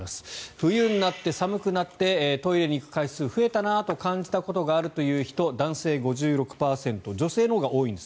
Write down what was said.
冬になって寒くなってトイレに行く回数が増えたなと感じたことがある人男性、５６％女性のほうが多いんです